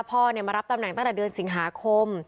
พ่อมารับตำแหน่งตั้งแต่เดือนสิงหาคม